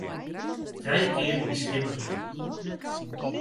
Trije kear is skippersrjocht.